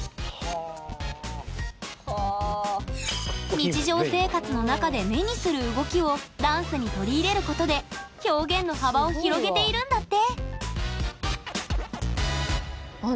日常生活の中で目にする動きをダンスに取り入れることで表現の幅を広げているんだって！